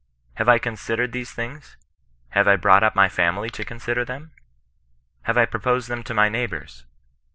Have I considerea these things ; have I brought up my family to consider them? Have I proposed them to my neighbours